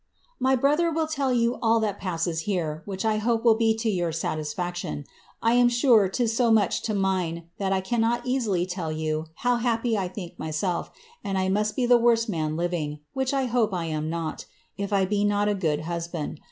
" My brother will tell yoa of all that passes here, which I hope will be to >x>ur satisfaction ; I am sure 'tis bo much to mine, that I cannot easily tell you how happy I think myself, and I mtut be the vortt man living (which I hope I aai not) if I be not a good husband.